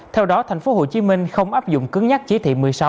theo đó tp hcm không áp dụng cứng nhắc chỉ thị một mươi sáu